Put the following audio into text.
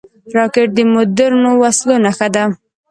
راکټ د مدرنو وسلو نښه ده